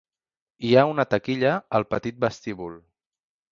Hi ha una taquilla al petit vestíbul.